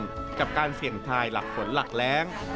กับการเสี่ยงทายหลักฝนหลักแรง